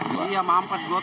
ini nih apa sama paha dia